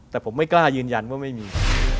แต่ผมไม่กล้ายืนยันว่าไม่มี